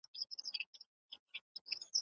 ستا لپاره ده دا مینه، زه یوازي تا لرمه